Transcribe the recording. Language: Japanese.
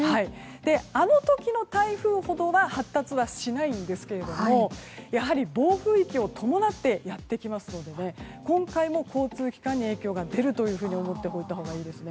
あの時の台風ほどは発達はしないんですけれどもやはり暴風域を伴ってやってきますので今回も交通機関に影響が出ると思っていたほうがいいですね。